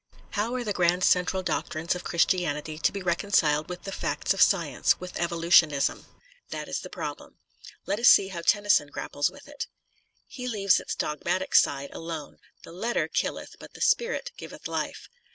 * How are the grand central doctrines of Christianity to be reconciled with the facts of science, with evolutionism. That is the problem. Let us see how Tennyson grapples with it. He leaves its dogmatic side alone — the letter killeth but the spirit giveth life.